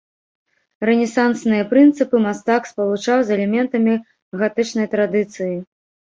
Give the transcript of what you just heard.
Рэнесансныя прынцыпы мастак спалучаў з элементамі гатычнай традыцыі.